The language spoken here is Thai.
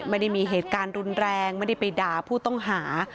ไม่ได้มีเหตุการณ์รุนแรงไม่ได้ไปด่าผู้ต้องหา